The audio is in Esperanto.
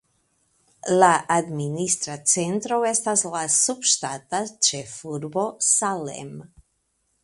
La administra centro estas la subŝtata ĉefurbo Salem.